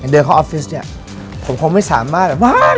เดินเข้าออฟฟิศผมคงไม่สามารถ